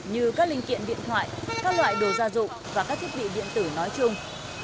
như các linh kiện điện thoại các loại đồ gia dụng và các thiết bị điện tử nói chung